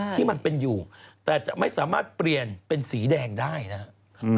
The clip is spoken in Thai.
ที่มันเป็นอยู่แต่จะไม่สามารถเปลี่ยนเป็นสีแดงได้นะครับ